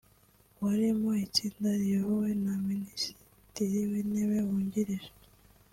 wari mu itsinda riyobowe na Minisitiri w’Intebe wungirije